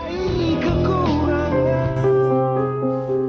dia mungkin sudah laatak latak